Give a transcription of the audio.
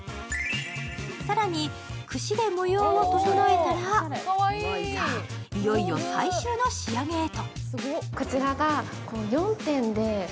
更に串で模様を調えたら、さあ、いよいよ最終の仕上げへと。